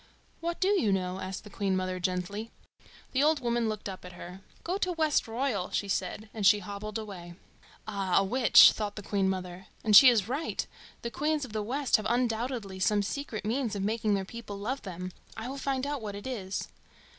"What do you know?" asked the Queen mother gently. The old woman looked up at her. "Go to Westroyal," she said; and she hobbled away. "Ah, a witch!" thought the Queen mother; "and she is right. The Queens of the West have undoubtedly some secret means of making their people love them. I will find out what it is."